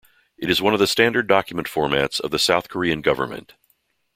It is one of the standard document formats of the South Korean government.